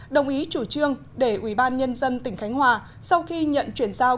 đồng ý chủ trương để ủy ban nhân dân tỉnh khánh hòa sau khi nhận chuyển giao